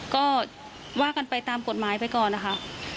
ก็ว่ากันไปตามกฎหมายไปก่อนนะคะ